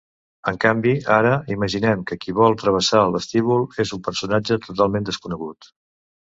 En canvi, ara imaginem que qui vol travessar el vestíbul és un personatge totalment desconegut.